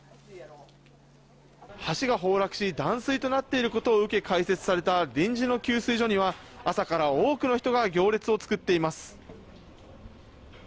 橋が崩落し、断水となっていることを受け、開設された臨時の給水所には、朝から多くの人が行列を作っています。